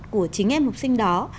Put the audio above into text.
của chính em học sinh đó